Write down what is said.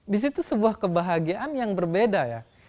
di situ sebuah kebahagiaan yang berbeda ya